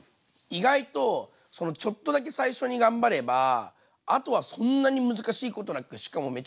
意外とちょっとだけ最初に頑張ればあとはそんなに難しいことなくしかもめちゃくちゃおいしくできるんで。